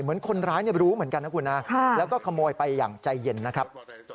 เหมือนคนร้ายรู้เหมือนกันนะคุณนะแล้วก็ขโมยไปอย่างใจเย็นนะครับ